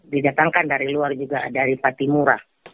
didatangkan dari luar juga dari patimura